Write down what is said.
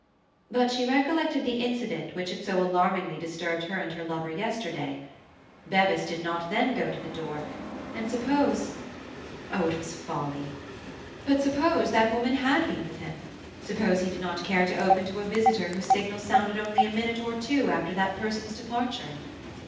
But she recollected the incident which had so alarmingly disturbed her and her lover yesterday. Bevis did not then go to the door, and suppose—oh, it was folly! But suppose that woman had been with him; suppose he did not care to open to a visitor whose signal sounded only a minute or two after that person's departure?